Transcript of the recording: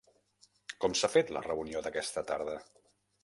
Com s'ha fet la reunió d'aquesta tarda?